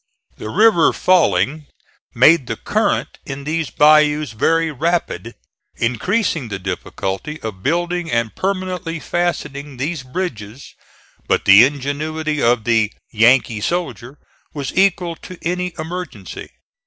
The river falling made the current in these bayous very rapid, increasing the difficulty of building and permanently fastening these bridges; but the ingenuity of the "Yankee soldier" was equal to any emergency.